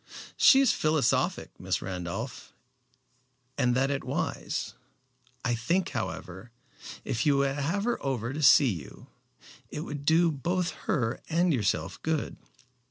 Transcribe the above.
"She is philosophic, Miss Randolph, and that is wise. I think, however, if you would have her over to see you, it would do both her and yourself good."